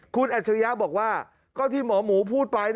คุณอัจฉริยะบอกว่าก็ที่หมอหมูพูดไป